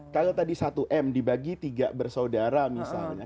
kalau tadi satu m dibagi tiga bersaudara misalnya